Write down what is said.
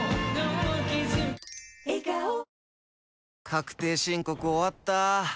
確定申告終わった。